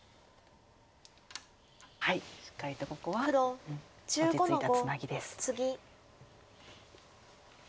しっかりとここは落ち着いたツナギです。